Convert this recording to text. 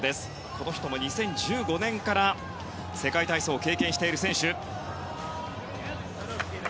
この人も２０１５年から世界体操を経験している選手。